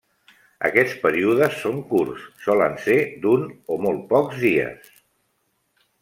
Aquests períodes són curts, solen ser d'un o molt pocs dies.